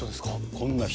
こんな人。